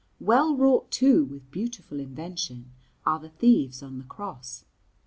Well wrought, too, with beautiful invention, are the Thieves on the Cross.